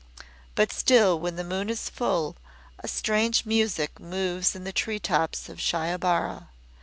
But still when the moon is full a strange music moves in the tree tops of Shiobara.